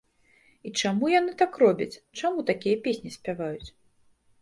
І чаму яны так робяць, чаму такія песні спяваюць?